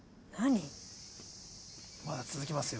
まだ続きますよ。